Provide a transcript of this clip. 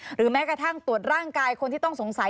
หรือแม้กระทั่งตรวจร่างกายคนที่ต้องสงสัย